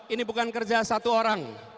ini bukan kerja satu orang